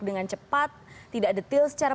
dengan cepat tidak detail secara